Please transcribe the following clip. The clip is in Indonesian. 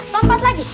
pempat lagi sih